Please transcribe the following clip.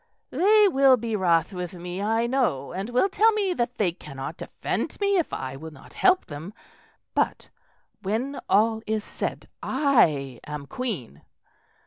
"They will be wrath with me, I know, and will tell me that they cannot defend me if I will not help them; but, when all is said, I am Queen.